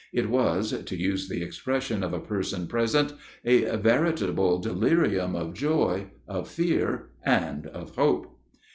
It was (to use the expression of a person present) a veritable delirium of joy, of fear, and of hope.